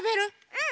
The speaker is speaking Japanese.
うん。